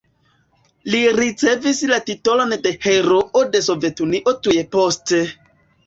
Li ricevis la titolon de Heroo de Sovetunio tuj poste.